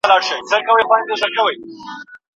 ځینې خلک ډېر خوب غواړي.